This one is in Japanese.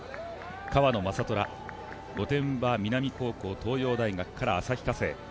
川野将虎、御殿場南高校東洋大学から旭化成。